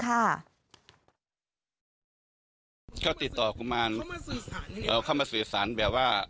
ก็ติดต่อกุมารเข้ามาสื่อสารแบบว่า